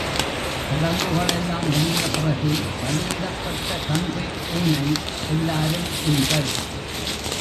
சடங்குகளெல்லாம் முடிந்தபிறகு பலியிடப்பட்ட கன்றின் ஊனை எல்லாரும் உண்பர்.